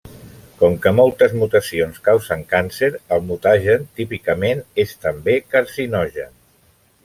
Com que moltes mutacions causen càncer el mutagen típicament és també carcinogen.